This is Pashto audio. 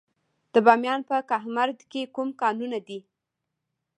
د بامیان په کهمرد کې کوم کانونه دي؟